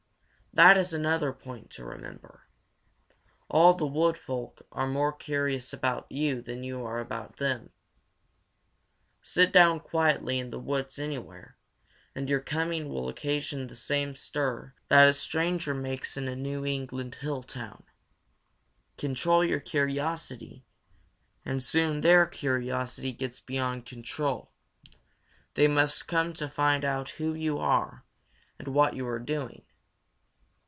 That is another point to remember: all the Wood Folk are more curious about you than you are about them. Sit down quietly in the woods anywhere, and your coming will occasion the same stir that a stranger makes in a New England hill town. Control your curiosity, and soon their curiosity gets beyond control; they must come to find out who you are and what you are doing.